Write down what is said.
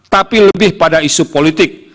tapi lebih pada isu politik